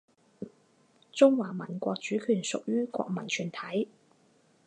中华民国主权属于国民全体